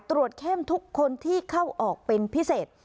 เข้มทุกคนที่เข้าออกเป็นพิเศษ